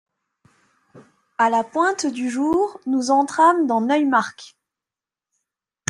À la pointe du jour, nous entrâmes dans Neumark.